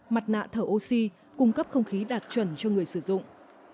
mặt nạ thở oxy cung cấp không khí đạt chuẩn cho người sử dụng